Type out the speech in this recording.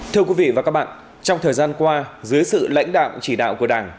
thưa quý vị và các bạn trong thời gian qua dưới sự lãnh đạo chỉ đạo của đảng